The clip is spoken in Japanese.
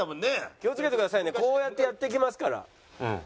気をつけてくださいねこうやってやって来ますから。